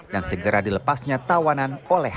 dan segera dilepasnya tawanan